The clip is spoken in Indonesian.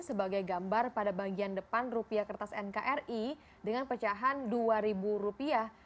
sebagai gambar pada bagian depan rupiah kertas nkri dengan pecahan dua ribu rupiah